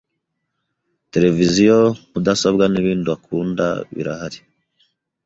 televiziyo, mudasobwa nibindi akunda birahari